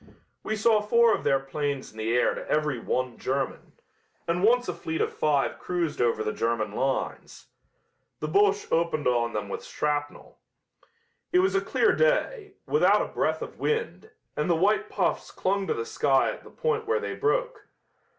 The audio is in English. We saw four of their 'planes in the air to every one German, and once a fleet of five cruised over the German lines. The Boche opened on them with shrapnel. It was a clear day, without a breath of wind, and the white puffs clung to the sky at the point where they broke.